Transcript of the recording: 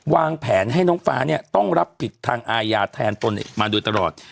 วางแผนให้น้องฟ้าเนี่ยต้องรับผิดทางอาญาแทนตนมาโดยตลอด